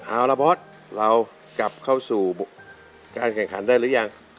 เอาละบอสเรากลับเข้าสู่การแข่งขันได้หรือยัง